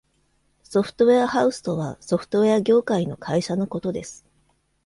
ソフトウェアハウスとはソフトウェア業界の会社のことです。